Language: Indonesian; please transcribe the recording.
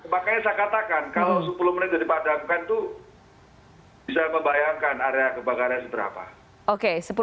makanya saya katakan kalau sepuluh menit itu dipadamkan itu bisa membayangkan area kebakaran seberapa